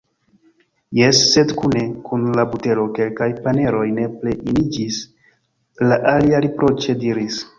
"Jes, sed kune kun la butero kelkaj paneroj nepre eniĝis," la alia riproĉe diris.